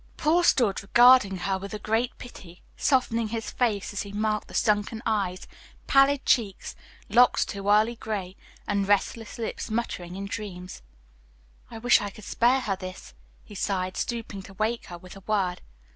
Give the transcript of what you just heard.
Paul stood regarding her with a great pity softening his face as he marked the sunken eyes, pallid cheeks, locks too early gray, and restless lips muttering in dreams. "I wish I could spare her this," he sighed, stooping to wake her with a word.